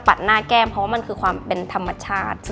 หน้าแก้มเพราะว่ามันคือความเป็นธรรมชาติ